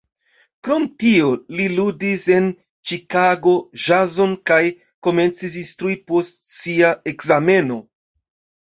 Krom tio li ludis en Ĉikago ĵazon kaj komencis instrui post sia ekzameno.